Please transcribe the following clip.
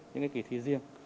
những cái kỳ thi riêng